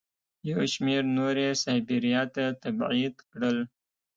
یو شمېر نور یې سایبریا ته تبعید کړل.